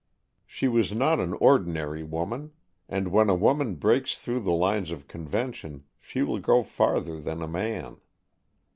She was not an ordinary woman; and when a woman breaks through the lines of convention she will go farther than a man.